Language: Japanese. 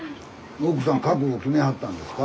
奥さん覚悟決めはったんですか？